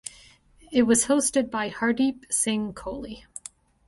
It was hosted by Hardeep Singh Kohli.